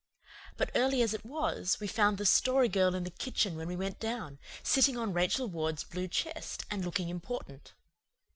But early as it was we found the Story Girl in the kitchen when we went down, sitting on Rachel Ward's blue chest and looking important.